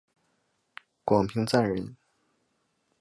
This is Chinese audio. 广平酂人。